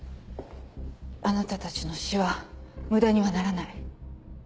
あなたたちの死は無駄にはならない。